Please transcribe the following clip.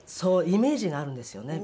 イメージがあるんですよね。